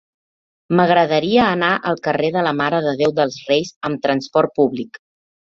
M'agradaria anar al carrer de la Mare de Déu dels Reis amb trasport públic.